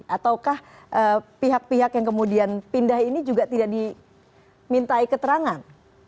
ataukah pihak pihak yang kemudian pindah ini juga tidak dimintai keterangan